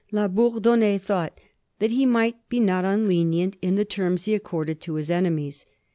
La Bourdonnais thought that he might be not unlenienj; in the terms be accorded to his enemies.